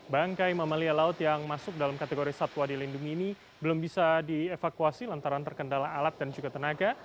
bangkai mamalia laut yang masuk dalam kategori satwa dilindungi ini belum bisa dievakuasi lantaran terkendala alat dan juga tenaga